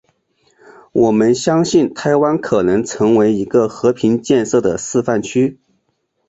我们相信台湾可能成为一个和平建设的示范区。